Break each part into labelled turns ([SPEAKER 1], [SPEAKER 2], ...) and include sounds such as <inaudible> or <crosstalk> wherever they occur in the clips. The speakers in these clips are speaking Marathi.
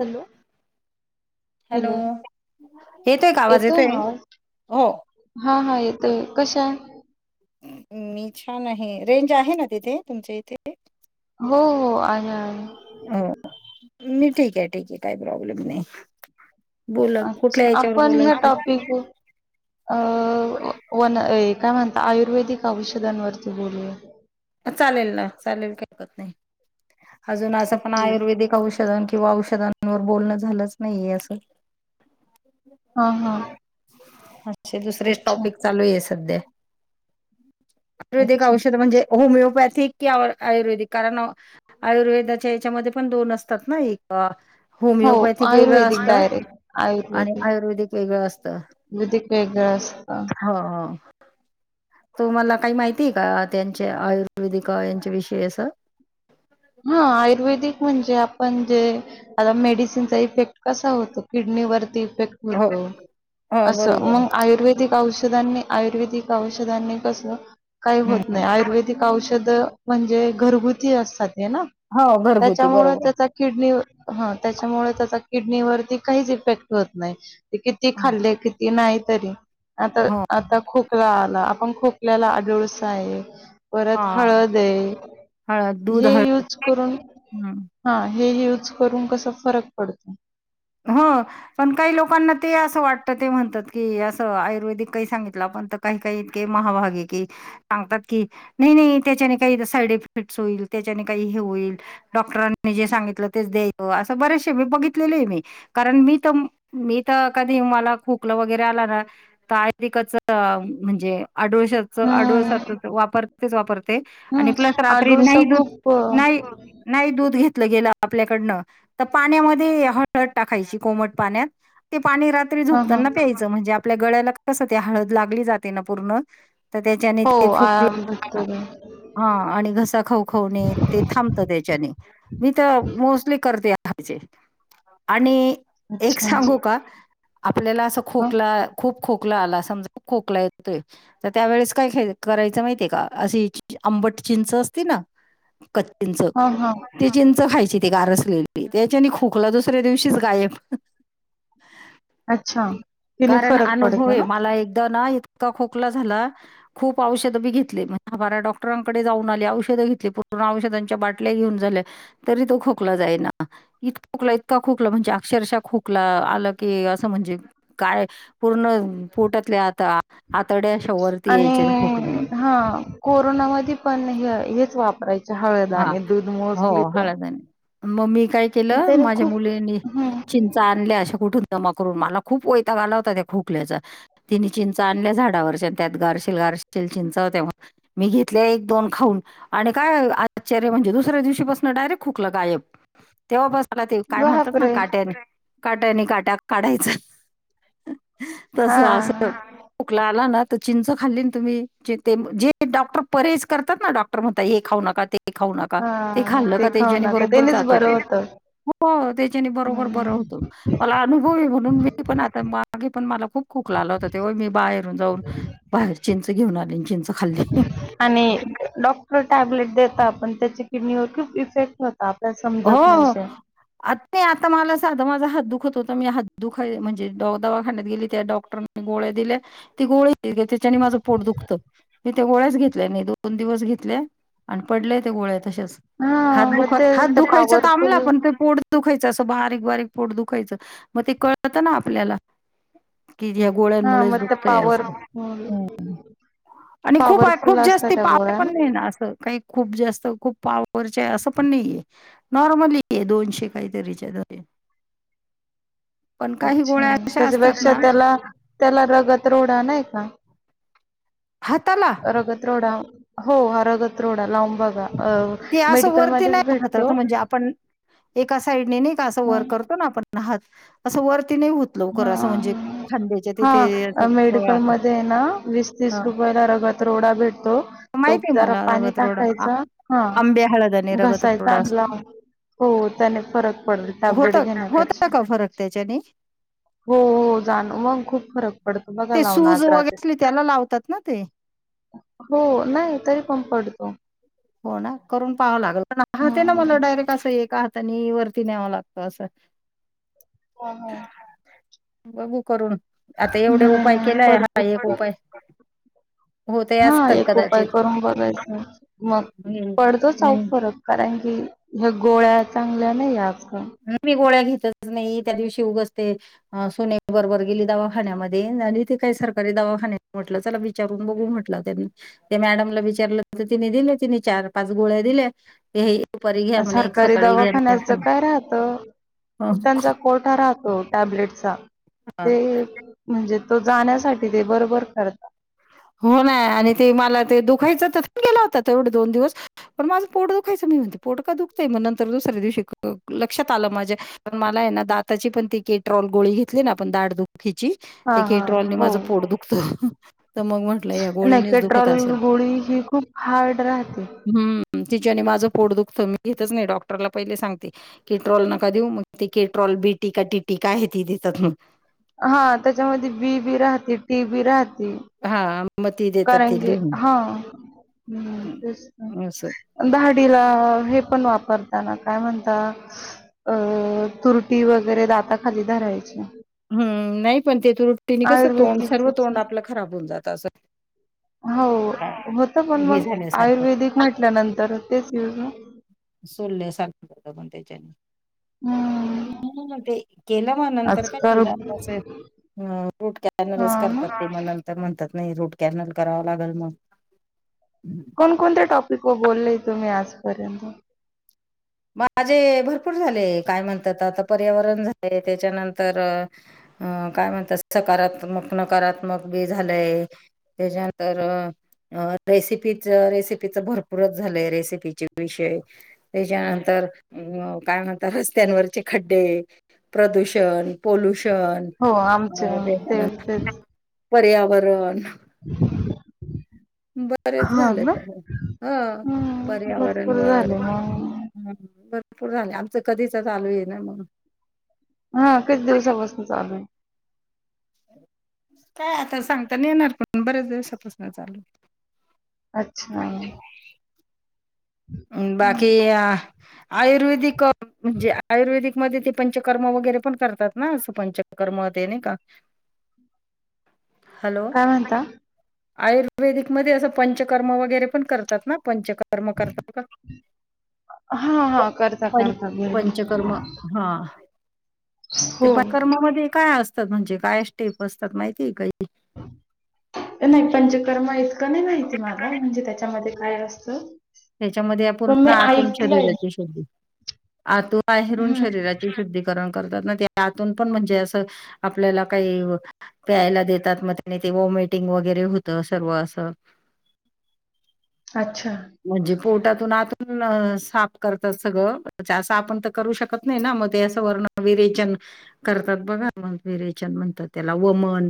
[SPEAKER 1] हॅलो
[SPEAKER 2] हॅलो येतोय का आवाज
[SPEAKER 1] ना
[SPEAKER 2] येतोय.
[SPEAKER 1] आवाज?
[SPEAKER 2] हो.
[SPEAKER 1] हा हा येतोय कशा
[SPEAKER 2] मी छान आहे रेंज आहे ना तिथे. तुमच्या इथे.
[SPEAKER 1] हो हो आहे आहे.
[SPEAKER 2] म ठीक आहे ठीके आहे काही प्रॉब्लेम नाही. बोला कुठल्या
[SPEAKER 1] अच्छा
[SPEAKER 2] याच्यावर
[SPEAKER 1] आपण ह्या
[SPEAKER 2] बोलायचं
[SPEAKER 1] टॉपिक अ वन एक काय म्हणता आयुर्वेदिक औषधांवरती बोलू या
[SPEAKER 2] चालेल ना चालेल हरकत नाही अजून असं पण
[SPEAKER 1] हो.
[SPEAKER 2] आयुर्वेदिक औषधन किंवा औषध वर बोलणं झालंच नाही असं
[SPEAKER 1] हा हा
[SPEAKER 2] असे दुसरेच
[SPEAKER 1] अच्छा
[SPEAKER 2] टॉपिक चालू आहे सध्या आयुर्वेदिक
[SPEAKER 1] अच्छा.
[SPEAKER 2] औषध म्हणजे होमिओपॅथिक कि आयुर्वेदिक कारण आयुर्वेदाच्या याच्यामध्ये पण दोन असतात ना एक
[SPEAKER 1] हो
[SPEAKER 2] होमिओपॅथिक वेगळं
[SPEAKER 1] आयुर्वेदिक
[SPEAKER 2] असत
[SPEAKER 1] डायरेक्ट
[SPEAKER 2] आणि
[SPEAKER 1] आयुर्वेदिक
[SPEAKER 2] आयुर्वेदिक वेगळं असतं
[SPEAKER 1] विधिक वेगळं अस असत
[SPEAKER 2] ह तुम्हाला काही माहितीय का त्यां आयुर्वेदिक यांच्या विषय अस
[SPEAKER 1] हा आयुर्वेदिक म्हणजे आता मेडिसिनचा इफेक्ट कसा होतो किडनीवरती <inaudible>
[SPEAKER 2] हो
[SPEAKER 1] होतो
[SPEAKER 2] हो
[SPEAKER 1] असे
[SPEAKER 2] बरोबर
[SPEAKER 1] मग आयुर्वेदिक औषध - आयुर्वेदिक औषधांनी कस काही होत
[SPEAKER 2] हम्म
[SPEAKER 1] नाही आयुर्वेदिक औषध म्हणजे घरगुती असतात
[SPEAKER 2] हो घरगुती
[SPEAKER 1] त्यामुळे
[SPEAKER 2] बरोबर.
[SPEAKER 1] त्याचा किडनी ह त्याच्यामुळे त्याचा किडनीवरती काहीच इफेक्ट होत नाही किती खाल्ले किती नाही तरी आता
[SPEAKER 2] हो
[SPEAKER 1] आता खोकला आला आपण खोकल्याला आडुलसा आहे
[SPEAKER 2] हा
[SPEAKER 1] परत हळद
[SPEAKER 2] हळद दूध
[SPEAKER 1] हे
[SPEAKER 2] हळद
[SPEAKER 1] यूज करून
[SPEAKER 2] हम्म.
[SPEAKER 1] हा हे यूज करून कसा फरक पडतो
[SPEAKER 2] हो पण काही लोकांना ते असं वाटत ते म्हणतात की असं आयुर्वेदिक काही सांगितलं पन काही काही इतके महाभागे की सांगतात की नाही नाही त्याच्याने काही साईड इफेक्ट होईल त्याच्याने काही हे होईल डॉक्टरांनी जे सांगितलं तेच द्यायच अस बरेच मी बघितलेले आहे मी कारण मी तर मी तर कधी मला खोकलं वगैरे आला ना की <unintelligible> म्हणजे आदुलश्याचा
[SPEAKER 1] हम्म
[SPEAKER 2] अडुळसा वापर वापर आणि
[SPEAKER 1] हम्म
[SPEAKER 2] प्लस रात्री
[SPEAKER 1] आडुळसा
[SPEAKER 2] नाही दूध
[SPEAKER 1] खूप
[SPEAKER 2] नाही नाही दूध घेत गेल आपल्याकडन त् पाण्यामध्ये हळद टाकायची कोमट पाण्यात पाणी रात्री
[SPEAKER 1] हा हा
[SPEAKER 2] झोपताना प्यायचं म्हणजे आपल्या गळ्याला कसं ते हळद लागली जाते ना पूर्ण तर त्याच्याने
[SPEAKER 1] हो
[SPEAKER 2] ते खूप
[SPEAKER 1] आराम भेटतो
[SPEAKER 2] <unintelligible>
[SPEAKER 1] की.
[SPEAKER 2] हा आणि घसा खवखवणे ते थांबत त्याच्याने मी तर मोस्टली करते हापाजे आणि एक
[SPEAKER 1] अच्छा
[SPEAKER 2] सांगू का आपल्याला असं
[SPEAKER 1] ह
[SPEAKER 2] खोकला खूप खोकला आला समजा खोकला येतोय तर त्यावेळेस काय करायच माहितीय का अस <unintelligible> बट चिंच असते ना कच चिंच
[SPEAKER 1] हा हा
[SPEAKER 2] ते चिंच खायची ते गारसलेली त्याच्याणे खोकला दुसऱ्या दिवशीच गायब
[SPEAKER 1] अच्छा तिने
[SPEAKER 2] कारण
[SPEAKER 1] फरक
[SPEAKER 2] अनुभव
[SPEAKER 1] पडतो
[SPEAKER 2] आहे
[SPEAKER 1] ना
[SPEAKER 2] मला एक इतका ना इतका खोकला झाला खूप औषध बी घेतले दहा बारा डॉक्टरांकडे जाऊन आली औष औषधांच्या बाटल्या घेऊन झाल्या तरी तो खोकला जाईन इतका खोकला इतका खोकला खोकलं म्हणजे अक्षरशः खोकला आलं की असं म्हणजे काय पूर्ण पोटतले आता आतड्या अशा वरती
[SPEAKER 1] आणि
[SPEAKER 2] यायच्या त्या खोकल्याने
[SPEAKER 1] हा कोरोनामध्ये पण हे हेच वापरायच हळदा
[SPEAKER 2] हा
[SPEAKER 1] आणि दूध मोस्टली
[SPEAKER 2] हो,
[SPEAKER 1] त
[SPEAKER 2] हळद-धणे. मग मी काय केलं माझ्या मुलींनी
[SPEAKER 1] हम्म
[SPEAKER 2] चिंचा आणल्या अशा कुठून जमा करून मला खूप वैताग आला होता त्या खोकल्याच तिने चिंच आणल्या झाडावरच्या त्यात गारशिलगार असतील चिंचा होत्या मी घेतले एक दोन खाऊन आणि काय आश्चर्य म्हणजे दुसऱ्या दिवशीपासून डायरेक्ट खोकला गायब तेव्हा पासण मला ते काय म्हणतात ना
[SPEAKER 1] बापरे
[SPEAKER 2] काट्यानी काट्यानी काट्या काढायचं तस
[SPEAKER 1] हा
[SPEAKER 2] असं खोकला आला ना... तर चिंच खाल्ली तुम्ही ते जे डॉक्टर परहेज करतात ना डॉक्टर म्हणता हे खाऊ नका ते.. ते खाऊ नका ते
[SPEAKER 1] हा
[SPEAKER 2] खाल्लं का
[SPEAKER 1] खाऊ
[SPEAKER 2] तेच्यानी
[SPEAKER 1] नका
[SPEAKER 2] बरोबर
[SPEAKER 1] त्यानेच
[SPEAKER 2] जात
[SPEAKER 1] बरं
[SPEAKER 2] होतो.
[SPEAKER 1] होतं
[SPEAKER 2] हो त्याच्याने बरोबर बरं
[SPEAKER 1] हम्म
[SPEAKER 2] होतो मला अनुभवी म्हणून मी पण आता मागे पण मला... खूप खोकला आला होता तेव्हा मी बाहेरून जाऊन बाहेर चिंच घेऊन आली चिंच खाल्ली....
[SPEAKER 1] आणि डॉक्टर टॅबलेट देत पण त्याच्या किडनीवर खूप इफेक्ट... आपण समजत नाहीस...
[SPEAKER 2] मी आता मला साधा माझा हात दुखत होता मी हात दुखा म्हणजे डवा दवाखानण्यात गेली त्या डॉक्टरने गोळे... दिल्या ती गोळी त्याच्या माझं पोट दुखत... मी ते गोळ्याच घेतले नाही दोन दिवस घेतले आणि पडले ते गोळे तसेच
[SPEAKER 1] हा
[SPEAKER 2] हात
[SPEAKER 1] मग
[SPEAKER 2] दुख...
[SPEAKER 1] ते
[SPEAKER 2] हात
[SPEAKER 1] ते
[SPEAKER 2] दुखायचा थांबला
[SPEAKER 1] पॉवरफुल
[SPEAKER 2] पण ते पोट दुखायच. जसं बारीक बारीक पोट दुखायचं मग ते कळत ना आपल्याला.... की ह्या
[SPEAKER 1] हा
[SPEAKER 2] गोळ्यांमुळेच
[SPEAKER 1] मग त्या
[SPEAKER 2] दुखतय
[SPEAKER 1] पॉवर
[SPEAKER 2] असत. आणि खूप आहे
[SPEAKER 1] पॉवरफुल
[SPEAKER 2] खूप
[SPEAKER 1] असतात
[SPEAKER 2] जास्त
[SPEAKER 1] त्या
[SPEAKER 2] पावर
[SPEAKER 1] गोळ्या
[SPEAKER 2] पण नाही ना असं काही खूप जास्त खूप पावर चे आहे असं पण नाही आहे. नॉर्मली ये दोनशे काहीतरीच्या... पण काही
[SPEAKER 1] अच्छा
[SPEAKER 2] गोळ्या अशा असतात
[SPEAKER 1] त्याच्यापेक्षा
[SPEAKER 2] ना
[SPEAKER 1] त्याला त्याला रगत रोडा नाही का?
[SPEAKER 2] हाताला
[SPEAKER 1] रगत रोडा हो हा रगत रोडा लांब बघा... अ
[SPEAKER 2] ती असं वरती
[SPEAKER 1] मेडिकलमध्येच
[SPEAKER 2] नाहीत
[SPEAKER 1] भेटतो
[SPEAKER 2] म्हणजे आपण... एका साईडने नाही का असं
[SPEAKER 1] हा
[SPEAKER 2] वर करतो ना आपणात असं वर..
[SPEAKER 1] हा
[SPEAKER 2] तिथे
[SPEAKER 1] हा
[SPEAKER 2] असं
[SPEAKER 1] मेडिकल मध्ये ना वीस तीस रुपयाला रगत... रोडा भेटतो. तो
[SPEAKER 2] माहितीय
[SPEAKER 1] जरा
[SPEAKER 2] मला
[SPEAKER 1] पाणी
[SPEAKER 2] रगत रोडा
[SPEAKER 1] टाकायचा हा
[SPEAKER 2] आंबे हळद आणि रगत
[SPEAKER 1] घसायचा
[SPEAKER 2] रोडा असतो
[SPEAKER 1] लाव्हायचा हो त्याने फरक पडल
[SPEAKER 2] होत
[SPEAKER 1] टॅब्लेट घेण्या
[SPEAKER 2] होता
[SPEAKER 1] पेक्षा...
[SPEAKER 2] का फरक त्याच्याने
[SPEAKER 1] हो जाण मग खूप फरक पडत... बघा
[SPEAKER 2] ते
[SPEAKER 1] लावून
[SPEAKER 2] सूज
[SPEAKER 1] आज
[SPEAKER 2] वगैरे
[SPEAKER 1] रात्री
[SPEAKER 2] असली त्याला लावतात ना ते
[SPEAKER 1] हो नाही तरी प.. पडतो.
[SPEAKER 2] हो ना करून पाहावं लागल पण आहात ते ना मला
[SPEAKER 1] हम्म
[SPEAKER 2] डायरेक्ट असं एक हातानी आणि वर.. ते न्यावा लागत असं...
[SPEAKER 1] ह ह...
[SPEAKER 2] बघू करून आता एवढे
[SPEAKER 1] नाही
[SPEAKER 2] उपाय
[SPEAKER 1] नाही
[SPEAKER 2] केलाय हा
[SPEAKER 1] पडतोच
[SPEAKER 2] एक
[SPEAKER 1] पडतो
[SPEAKER 2] उपाय... होतही
[SPEAKER 1] हा
[SPEAKER 2] असेल
[SPEAKER 1] एक उपाय
[SPEAKER 2] कदाचित
[SPEAKER 1] करून बघायच. मग पडतो चऊ फरक कारण की ह गोळ्या चांगल्या नाही आज..
[SPEAKER 2] मी गोळ्या घेत. त्या दिवशी उगाच असते सोन्या बरोबर गेली दवाखान्यामध्ये झाली होती सरकारी.. त्या विचारून ब म्हट मॅडमला विचार त दिलं ति चार पा... गोळ्या दिले हे.... दुपारी घ्या म्हणे एक
[SPEAKER 1] सरकारी
[SPEAKER 2] सकाळी घ्या
[SPEAKER 1] दवाखान्याचं काय राहत.
[SPEAKER 2] म्हणे
[SPEAKER 1] त्यांचा कोठा राहतो टॅबलेटचा ते म्हणजे.... तो जाण्यासाठी ते बरोबर करता.
[SPEAKER 2] हो ना आणि ते मला ते दुखायचं पण गेला होता तेवढे दोन दिवस पण माझं पोट दुखायचं... पोट का दुखतय दुसऱ्या दिवशी लक्ष्यात आल माझ्या मला आहे ना दाताची कॅप.... केट्रॉल गोळी घेतली ना आपण दाटदुखीची
[SPEAKER 1] हा
[SPEAKER 2] ते
[SPEAKER 1] हा
[SPEAKER 2] केट्रॉल
[SPEAKER 1] हो
[SPEAKER 2] माझं पोट दुखत... तर मग म्हटलं या
[SPEAKER 1] नाही
[SPEAKER 2] गोळीनेच दुखत अस
[SPEAKER 1] पेट्रोल
[SPEAKER 2] असल
[SPEAKER 1] गोळी ही खूप हार्ड राहते
[SPEAKER 2] हम्म... तीच्याने माझ पोट दुखत मी घेतच नाही डॉक्टरला पहिले सांगते केट्रोल नका देऊ.. टिटी का टिटी का आहे ती देतात मग...
[SPEAKER 1] हा त्याच्यामध्ये बी बी राहते टी बी राहते.
[SPEAKER 2] हा.
[SPEAKER 1] कारण की हा
[SPEAKER 2] हं, असं.
[SPEAKER 1] तेच दहाडीला... हे पण वापरताना काय म्हणत... अ तुरटी वगैरे दाताखाली धरायची.
[SPEAKER 2] हम्म नाही पण तेथ रुट्टीने कसं तोंड सर्व
[SPEAKER 1] आयुर्वेदिकच
[SPEAKER 2] तोंड आपलं खराब होऊन जात असं
[SPEAKER 1] हो
[SPEAKER 2] काय
[SPEAKER 1] होत पण
[SPEAKER 2] हे
[SPEAKER 1] मग
[SPEAKER 2] झाल्यासारखं,
[SPEAKER 1] आयुर्वेदिक म्हटल्यानंतर तेच य
[SPEAKER 2] सोलल्या सख कर पण त्याच्यानी.
[SPEAKER 1] हम.
[SPEAKER 2] ते केलं म नंतर काय
[SPEAKER 1] आजकाल
[SPEAKER 2] दिलंं. ह फूट
[SPEAKER 1] हा
[SPEAKER 2] कॅनरस
[SPEAKER 1] ना
[SPEAKER 2] करतात तमनं तर म्हणतात नाही रूट कॅनल कराव लागल मग
[SPEAKER 1] कोण कोणतेया टॉपिक व बोलले तुम्ही आजपर्यंत
[SPEAKER 2] माझे भरपूर झाले काय म्हणतात आता पर्यावरण झाले. त्याच्यानंतर अं काय म्हणतात सकारात्मक, नकारात्मक बी झालंय, त्याच्यानंतर अ रेसिपीच रेसिपीच भरपूरच झालंय रेसिपीचे विषय त्याच्या तर अ काय म्हणत रस्त्यांवरचे खड्डे, प्रदूषण पोल्युशन,
[SPEAKER 1] हो आमचे तेच
[SPEAKER 2] त्याच्यानंतर
[SPEAKER 1] तेच
[SPEAKER 2] पर्यावरण
[SPEAKER 1] <inaudible>
[SPEAKER 2] बरेच
[SPEAKER 1] हा
[SPEAKER 2] झालंय
[SPEAKER 1] ना
[SPEAKER 2] तर ह
[SPEAKER 1] हम्म
[SPEAKER 2] पर्यावरण
[SPEAKER 1] भरपूर
[SPEAKER 2] व
[SPEAKER 1] झाले मग
[SPEAKER 2] हम भरपूर झाले आमचं कधीच चालू आहे ना म्हणून
[SPEAKER 1] हा कच दिवसापासून चालू आहे.
[SPEAKER 2] काय आता सांगताना येणार पण बऱ्याच दिवसापासून चालूये.
[SPEAKER 1] अच्छा.
[SPEAKER 2] बाकी आयुर्वेदिक म्हणजे आयुर्वेदिक मध्ये ते पंचकर्म वगैरे पण करतात ना. असं पंचकर्म ते नाही का?
[SPEAKER 1] <unintelligible> काय म्हणता?
[SPEAKER 2] आयुर्वेदिकमध्येध्ये असं पंचकर्म वगैरे पण करतात ना पंचकर्म करतात.
[SPEAKER 1] हा हा करता
[SPEAKER 2] पं
[SPEAKER 1] करता गरबी
[SPEAKER 2] पंचकर्म हा. ते
[SPEAKER 1] हो.
[SPEAKER 2] पण कर्मामध्ये काय असतात म्हणजे काय स्टेप असतात माहितीय का?
[SPEAKER 1] नाही पंचकर्मा इतकं नाही माहिती मला म्हणजे त्याच्यामध्ये काय असतं?
[SPEAKER 2] त्याच्यामध्ये
[SPEAKER 1] पण
[SPEAKER 2] पूर्ण
[SPEAKER 1] मी
[SPEAKER 2] आतून
[SPEAKER 1] ऐकलंय
[SPEAKER 2] शरीराची शोधी आ तू बाहेरून
[SPEAKER 1] हम्म
[SPEAKER 2] शरीराची शुद्धी करम करतात ना ते आतून पण म्हणजे असं आपल्याला काही प्यायला देतात म तेनी ते ओमिटिंग वगैरे होतं सर्व असं
[SPEAKER 1] अच्छा.
[SPEAKER 2] म्हणजे पोटातून आतून साप करतात सगळं त्या असं आपण तर करू शकत नाही ना मग ते ण विरेचन करतात बघा. विरेचन म्हणतात त्याला वमन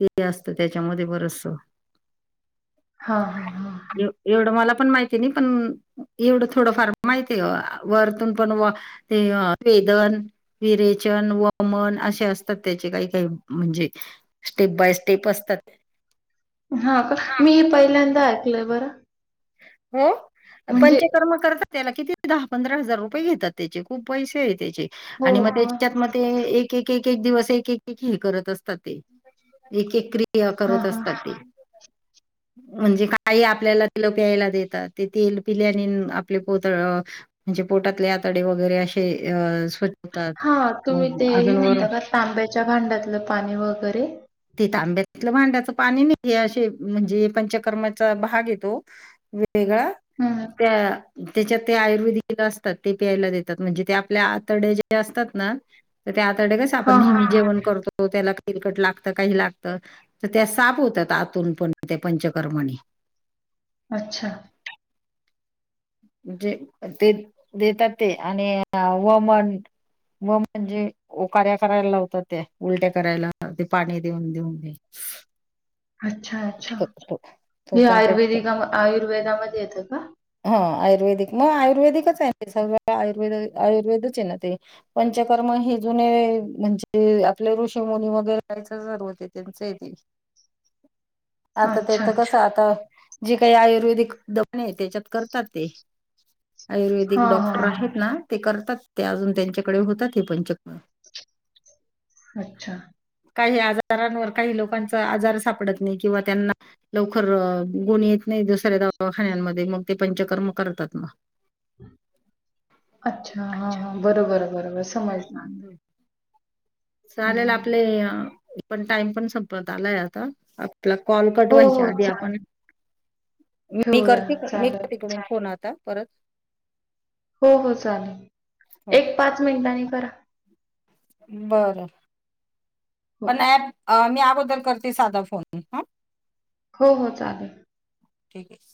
[SPEAKER 2] ते असतं त्याच्यामध्ये बरसं.
[SPEAKER 1] हा हा
[SPEAKER 2] एवढं मला पण माहिती नाही पण एवढं थोडं फार माहिती वरतून पण ते वेद चन, वमन अशे असतात त्याचे काही-काही म्हणजे स्टेप बाय से तेपसतात.
[SPEAKER 1] हा का? मी हे पहिल्यांदा ऐकलय बरं.
[SPEAKER 2] हो
[SPEAKER 1] म्हणजे
[SPEAKER 2] पंचकर्म करता त्याला किती दहा-पंधरा हजार रुपये घेतात त्याचे. खूप पैसे आहे त्याचे
[SPEAKER 1] हो
[SPEAKER 2] आणि मग
[SPEAKER 1] ब
[SPEAKER 2] त्याच्यात मग ते ए एक दिवस एक-एक हे करत असतात ते. एक-एक क्रि
[SPEAKER 1] हा
[SPEAKER 2] करत
[SPEAKER 1] हा
[SPEAKER 2] असतात ते. म्हणजे काही आपल्याला प्यायला देतात. ते तेल पिल्याने आपले पोत म्हणजे पोटातले आतडे वगैरे अशे हे अ स्वच्छ होतात.
[SPEAKER 1] हा तुम्ही
[SPEAKER 2] मग
[SPEAKER 1] ते हे
[SPEAKER 2] अजून वर
[SPEAKER 1] म्हणता का, तांब्याच्या भांड्यातलं पाणी वगैरे?
[SPEAKER 2] ते तांब्यातलं भांड्याचं पाणी नाही, असे म्हणजे पंचकर्माचा भाग येतो वेगळा,
[SPEAKER 1] हम्म
[SPEAKER 2] त्या त्याच्यात ते आयुर्वेदिक असतात ते प्यायला दात म्हणजे ते आपल्या आतड जे असतात ना. त्या आताडे कस
[SPEAKER 1] हा
[SPEAKER 2] आपण
[SPEAKER 1] हा
[SPEAKER 2] नेहमी
[SPEAKER 1] हा.
[SPEAKER 2] जेवण करतो त्याला किरकट लागतो. काही लागत तर त्या साप होतात आतून पण त्या पंचकर्माने
[SPEAKER 1] अच्छा.
[SPEAKER 2] जे ते देतात ते आणि वमन व म्हणजे ओकार्या करायला लावतात ते उलट्या करायला ते पाणी देऊन देऊन.
[SPEAKER 1] अच्छा अच्छा.
[SPEAKER 2] तो तो, तो
[SPEAKER 1] हे
[SPEAKER 2] पण तेच
[SPEAKER 1] आयुर्वेदिका आयुर्वेदामध्ये येतं का?
[SPEAKER 2] हा आयुर्वेदिक मग आयुर्वेदिकच आहे सग आयुर्वेद आयुर्वेदच आहे ना ते पंचकर्म ही जुने म्हणजे आपले ऋषी मुनी वगैरे रायच सर होते त्यांच येथ
[SPEAKER 1] <inaudible>
[SPEAKER 2] आता
[SPEAKER 1] अच्छा.
[SPEAKER 2] त्याच कस आता जी काही आयुर्वेदिक दखणे त्याच्यात करतात. ते आयुर्वेदिक
[SPEAKER 1] हां, हां,
[SPEAKER 2] डॉक्टर
[SPEAKER 1] हां.
[SPEAKER 2] आहेत ना ते करतात. ते अजून त्यांच्याकडे होतात हे पंचकम
[SPEAKER 1] अच्छा.
[SPEAKER 2] काही आजारांवर काही लोकांचा आजार सापडत नाही किंवा त्यांना लवकर गुणी येत नाही. दुसऱ्या दवाखान्यांमध्ये मग ते पंचकर्म करतात नाग
[SPEAKER 1] अच्छा हा हा बरोबर बरोबर. समजलं.
[SPEAKER 2] हम्म.
[SPEAKER 1] हं,
[SPEAKER 2] चालेल
[SPEAKER 1] हं.
[SPEAKER 2] आपले पण टाइम पण संपत आलाय आता आपला कॉल
[SPEAKER 1] हो,
[SPEAKER 2] कटवायच्या
[SPEAKER 1] हो.
[SPEAKER 2] आधी
[SPEAKER 1] चालेल.
[SPEAKER 2] आपण मी
[SPEAKER 1] ठेवूया.
[SPEAKER 2] करते मी
[SPEAKER 1] चालेल.
[SPEAKER 2] करते क फोन आता परत.
[SPEAKER 1] हो हो चालेल
[SPEAKER 2] हो
[SPEAKER 1] एक पाच मिनिटांनी करा.
[SPEAKER 2] बरं
[SPEAKER 1] हो.
[SPEAKER 2] पण ऍप मी याबद्दल करते साधा फोन ह
[SPEAKER 1] हो हो चालेल.
[SPEAKER 2] ठीक आहे.